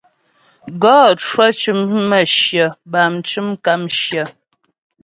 Gɔ cwə cʉm mə̌shyə bâm mcʉm kàmshyə.